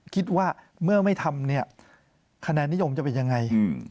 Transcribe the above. คิดว่าเมื่อไม่ทำเนี่ยคะแนนนิยมจะเป็นยังไง